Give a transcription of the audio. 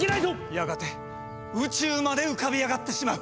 やがて宇宙まで浮かび上がってしまう。